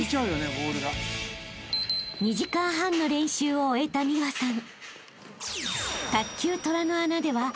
［２時間半の練習を終えた美和さん］